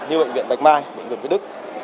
như bệnh viện bạch mai bệnh viện bắc đức